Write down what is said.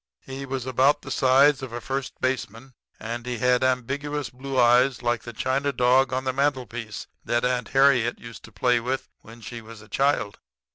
"He was about the size of a first baseman; and he had ambiguous blue eyes like the china dog on the mantelpiece that Aunt Harriet used to play with when she was a child.